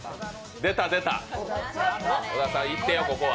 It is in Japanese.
出た、出た、小田さんいってよ、ここは。